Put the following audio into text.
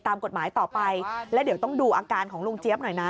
ตามกฎหมายต่อไปแล้วเดี๋ยวต้องดูอาการของลุงเจี๊ยบหน่อยนะ